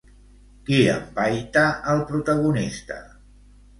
Qui empaita al protagonista?